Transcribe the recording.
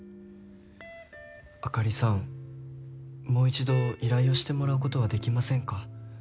あかりさんもう一度依頼をしてもらうことはできませんか？